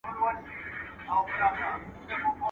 o پنډ مه گوره، ايمان ئې گوره.